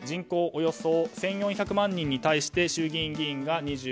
およそ１４００万人に対して衆議院議員が２５人。